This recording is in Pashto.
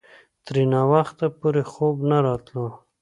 ترې ناوخته پورې خوب نه راتلو.